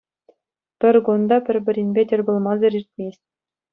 Пӗр кун та пӗр-пӗринпе тӗл пулмасӑр иртмест.